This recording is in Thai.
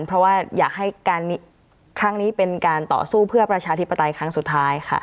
เพราะว่าอยากให้ครั้งนี้เป็นการต่อสู้เพื่อประชาธิปไตยครั้งสุดท้ายค่ะ